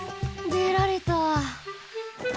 でられた。